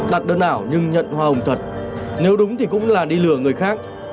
đặt đơn ảo nhưng nhận hoa hồng thật nếu đúng thì cũng là đi lừa người khác